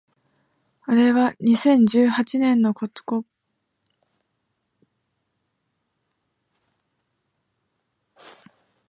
あれは二千十八年のことだから今から五十七年前の話になる